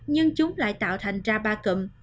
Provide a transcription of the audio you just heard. nhưng chúng lại tạo thành ra ba cụm